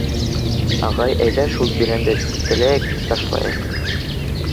— Ағай, әйҙә шул бирәнде типкеләйек тә ташлайыҡ.